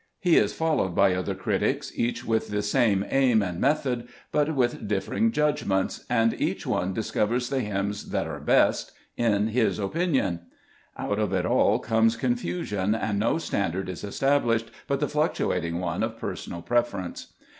He is followed by other critics, each with the same aim and method, but with differing judgments, and each one discovers the hymns flntrofcuctforu that are best — in his opinion. Out of it all comes confusion, and no standard is estab lished but the fluctuating one of personal preference.